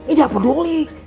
ini tak peduli